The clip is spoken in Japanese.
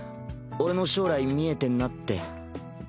俺の将来見えてんなって。